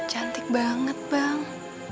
cantik banget bang